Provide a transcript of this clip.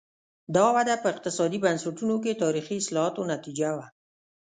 دا وده په اقتصادي بنسټونو کې تاریخي اصلاحاتو نتیجه وه.